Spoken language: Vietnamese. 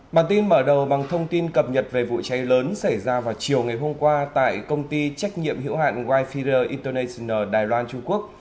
bản tin mở đầu bằng thông tin cập nhật về vụ cháy lớn xảy ra vào chiều ngày hôm qua tại công ty trách nhiệm hiệu hạn wifider international đài loan trung quốc